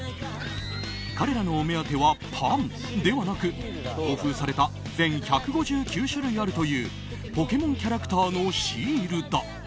彼らのお目当てはパンではなく同封された全１５９種類あるというポケモンキャラクターのシールだ。